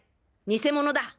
偽者だ！